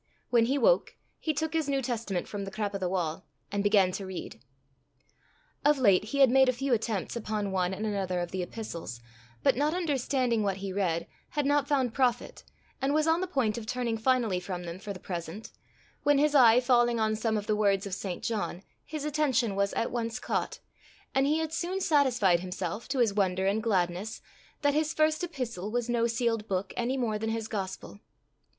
When he woke, he took his New Testament from the crap o' the wa', and began to read. Of late he had made a few attempts upon one and another of the Epistles, but, not understanding what he read, had not found profit, and was on the point of turning finally from them for the present, when his eye falling on some of the words of St. John, his attention was at once caught, and he had soon satisfied himself, to his wonder and gladness, that his First Epistle was no sealed book any more than his Gospel.